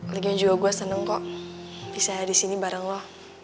lagian juga gue seneng kok bisa disini bareng lo